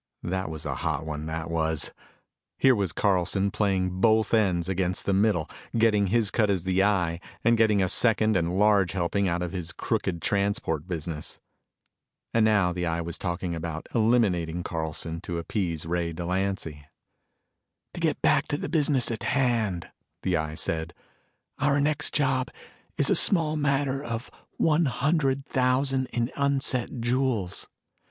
That was a hot one, that was! Here was Carlson, playing both ends against the middle, getting his cut as the Eye and getting a second and large helping out of his crooked transport business. And now the Eye was talking about eliminating Carlson to appease Ray Delancy! "To get back to the business at hand," the Eye said, "our next job is a small matter of one hundred thousand in unset jewels.